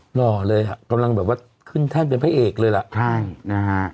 หล่อเลยอ่ะกำลังแบบว่าขึ้นแท่นเป็นพระเอกเลยล่ะใช่นะฮะ